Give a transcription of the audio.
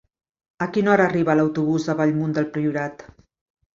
A quina hora arriba l'autobús de Bellmunt del Priorat?